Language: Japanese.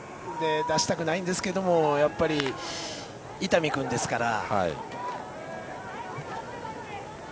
出したくないんですけどやっぱり伊丹君ですから。